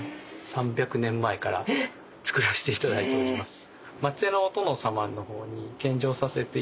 ３００年前から作らしていただいております。